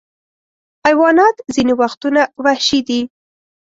حیوانات ځینې وختونه وحشي دي.